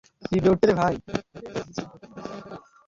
আমি চিন্তা করি নি।